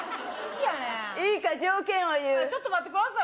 何やねんいいか条件を言うちょっと待ってください